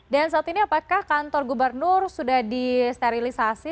dan saat ini apakah kantor gubernur sudah disterilisasi